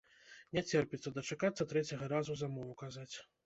Не церпіцца дачакацца трэцяга разу замову казаць.